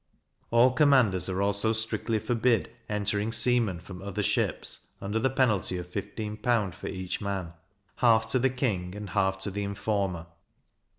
All commanders are also strictly forbid entering seamen from other ships, under the penalty of 15L. for each man; half to the king, and half to the informer.